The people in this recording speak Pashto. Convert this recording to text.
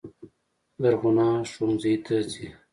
زرغونه ښوونځي ته ځي.